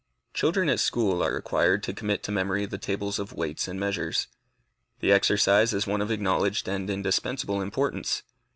Children at school are required to commit to memory the tables of weights and measures. The exercise is one of acknowledged and indispensable importance.